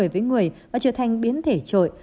với người và trở thành biến thể trội